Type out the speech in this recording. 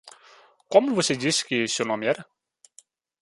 Como você disse que seu nome era?